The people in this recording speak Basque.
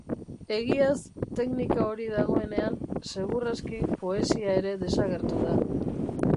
Egiaz, teknika hori dagoenean, segur aski poesia ere desagertu da.